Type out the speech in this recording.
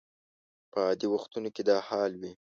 په عادي وختونو کې دا حال وي.